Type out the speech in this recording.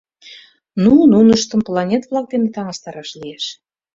— Ну, нуныштым планет-влак дене таҥастараш лиеш.